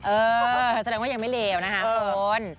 เออแสดงว่ายังไม่เลวนะครับคุณ